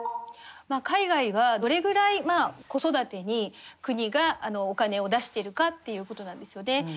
海外はどれぐらい子育てに国がお金を出しているかということなんですよね。